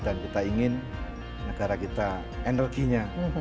dan kita ingin negara kita energinya